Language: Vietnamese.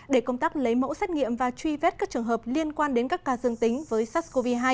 để công tác lấy mẫu xét nghiệm và truy vết các trường hợp liên quan đến các ca dương tính với sars cov hai